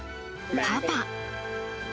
パパ！